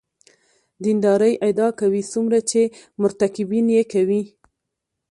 دیندارۍ ادعا کوي څومره چې مرتکبین یې کوي.